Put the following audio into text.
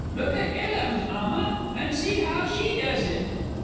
Look at Ella, Alma, and see how she does it!